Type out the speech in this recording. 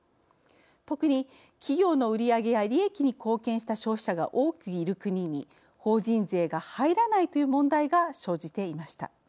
特に、企業の売り上げや利益に貢献した消費者が多くいる国に法人税が入らないという問題が生じていました。